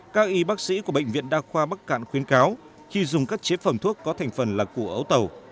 các y bác sĩ của bệnh viện đa khoa bắc cạn khuyến cáo khi dùng các chế phẩm thuốc có thành phần là của ấu tàu